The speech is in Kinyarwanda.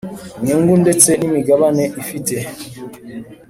Inyungu ndetse n imigabane ifite